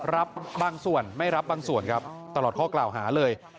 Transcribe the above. รับบางส่วนไม่รับบางส่วนครับตลอดข้อกล่าวหาเลย